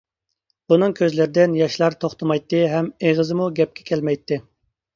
ئۇنىڭ كۆزلىرىدىن ياشلار توختىمايتتى ھەم ئېغىزىمۇ گەپكە كەلمەيتتى.